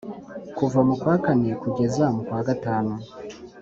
kuva mu kwa kane kugeza mu kwa gatanu